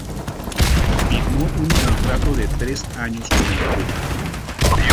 Firmó un contrato de tres años con el club.